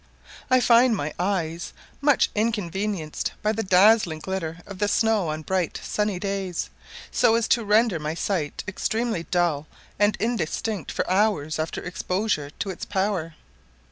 I find my eyes much inconvenienced by the dazzling glitter of the snow on bright sunny days, so as to render my sight extremely dull and indistinct for hours after exposure to its power.